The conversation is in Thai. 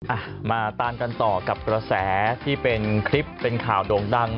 อ่ะมาตามกันต่อกับกระแสที่เป็นคลิปเป็นข่าวโด่งดัง